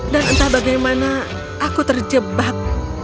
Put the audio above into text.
dan entah bagaimana aku terjebak